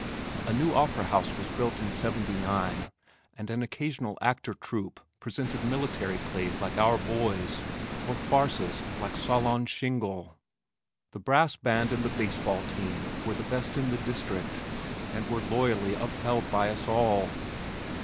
A new opera house was built in '79 and an occasional "actor troupe" presented military plays like Our Boys or farces like Solon Shingle. The brass band and the baseball team were the best in the district, and were loyally upheld by us all.